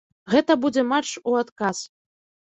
Гэта будзе матч у адказ.